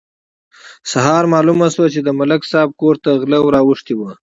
سهار مالومه شوه: د ملک صاحب کور ته غله ور اوښتي وو.